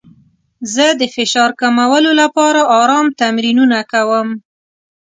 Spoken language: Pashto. زه د فشار کمولو لپاره ارام تمرینونه کوم.